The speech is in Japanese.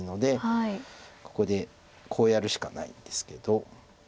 ここでこうやるしかないんですけど。